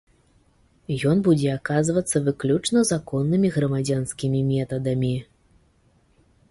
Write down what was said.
Ён будзе аказвацца выключна законнымі грамадзянскімі метадамі.